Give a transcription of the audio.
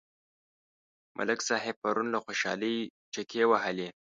ملک صاحب پرون له خوشحالۍ چکې وهلې.